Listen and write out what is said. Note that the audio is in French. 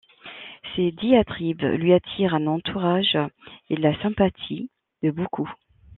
Ses diatribes lui attirent un entourage et la sympathie de beaucoup.